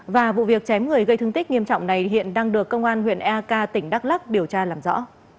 và vụ việc chém người gây thương tích nghiêm trọng này hiện đang được công an huyện eak tỉnh đắk lắc điều tra làm rõ